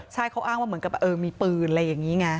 ใช่เขาอ้างว่าเหมือนกับเออมีปืนอะไรอย่างนี้ไง